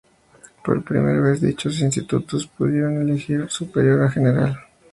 Por primera vez, dichos institutos pudieron elegir una superiora general.